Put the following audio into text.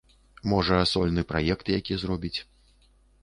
Можа, сольны праект які зробіць.